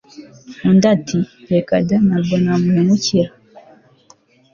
Undi ati « reka da Ntabwo namuhemukira »